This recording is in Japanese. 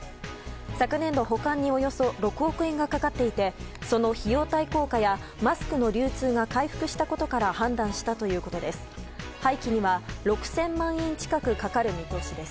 昨年度、保管におよそ６億円がかかっていてその費用対効果やマスクの流通が回復したことから判断したということです。